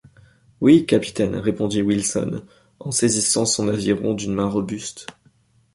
Oui, capitaine, répondit Wilson, en saisissant son aviron d’une main robuste.